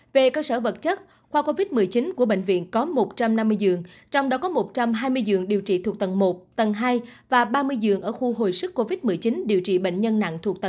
về cơ sở vật chất khoa covid một mươi chín của bệnh viện có một trăm năm mươi giường trong đó có một trăm hai mươi giường điều trị thuộc tầng một tầng hai và ba mươi giường ở khu hồi sức covid một mươi chín điều trị bệnh nhân nặng thuộc tám